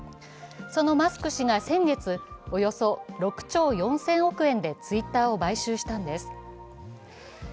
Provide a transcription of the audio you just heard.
そのマスク氏が先月、およそ６兆４０００億円でＴｗｉｔｔｅｒを買収したんです。